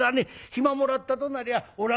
暇もらったとなりゃおら